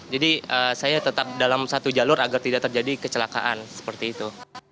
jadi saya tetap dalam satu jalur agar tidak terjadi kecelakaan seperti itu